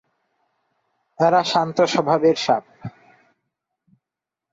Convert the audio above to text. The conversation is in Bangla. এরা শান্ত স্বভাব এর সাপ।